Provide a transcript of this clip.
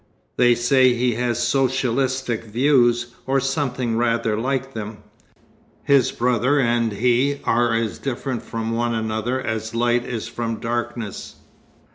They say he has socialistic views, or something rather like them. His brother and he are as different from one another as light is from darkness.